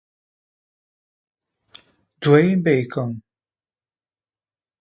Dwayne Bacon